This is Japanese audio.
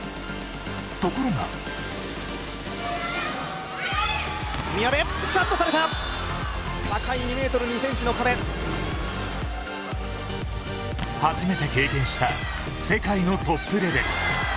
ところが初めて経験した世界のトップレベル。